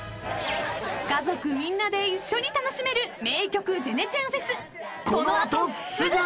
［家族みんなで一緒に楽しめる『名曲！ジェネチェンＦＥＳ』］［この後すぐ！］